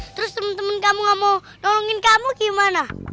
terus temen temen kamu gak mau nolongin kamu gimana